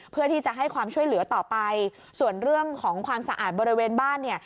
เพื่อที่จะให้ความช่วยเหลือต่อไปส่วนเรื่องของความสะอาดบริเวณบ้านเนี่ย